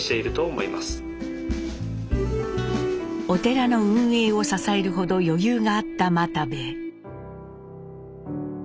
お寺の運営を支えるほど余裕があった又兵衛。